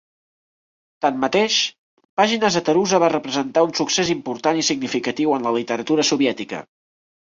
Tanmateix, "Pàgines de Tarusa" va representar un succés important i significatiu en la literatura soviètica.